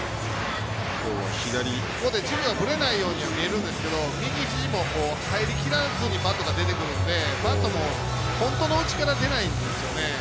軸がぶれないようには見えるんですけど右ひじも入りきらずにバットが出てくるんでバットも本当の内から出ないんですよね。